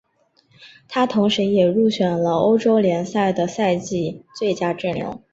他同时也入选了欧洲联赛的赛季最佳阵容。